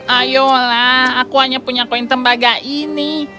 ayolah aku hanya punya koin tembaga ini